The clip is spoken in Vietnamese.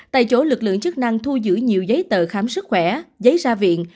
tại chỗ lực lượng chức năng thu giữ nhiều giấy tờ khám sức khỏe giấy ra viện